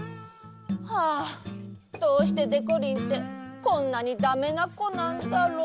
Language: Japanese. はあどうしてでこりんってこんなにダメなこなんだろう。